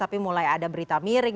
tapi mulai ada berita miring